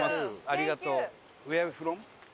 ありがとう。